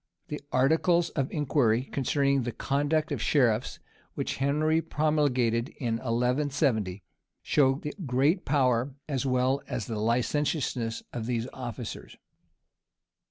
The articles of inquiry concerning the conduct of sheriffs, which Henry promulgated in 1170, show the great power as well as the licentiousness of these officers.